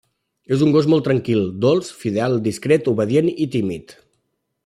És un gos molt tranquil, dolç, fidel, discret, obedient i tímid.